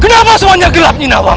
kenapa semuanya gelap jinawan